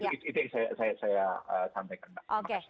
jadi itu yang saya sampaikan